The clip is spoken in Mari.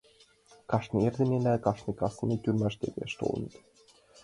Кажне эрдене да кажне кастене тюрьмаш тергаш толыныт.